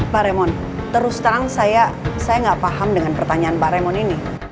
pak raymond terus terang saya gak paham dengan pertanyaan pak raymond ini